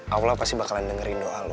allah pasti bakalan dengerin doa lo